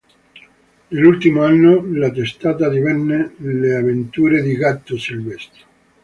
Nell'ultimo anno la testata divenne "Le avventure di gatto Silvestro.